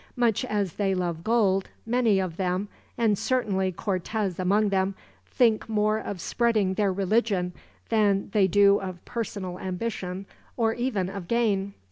Much as they love gold, many of them and certainly Cortez among them think more of spreading their religion than they do of personal ambition, or even of gain.